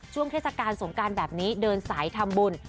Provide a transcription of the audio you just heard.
เทศกาลสงการแบบนี้เดินสายทำบุญ